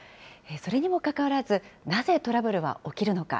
それにもかかわらず、なぜトラブルは起きるのか。